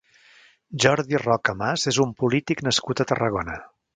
Jordi Roca Mas és un polític nascut a Tarragona.